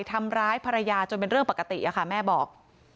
ทำร้ายภรรยาจนเป็นเรื่องปกติค่ะแม่บอก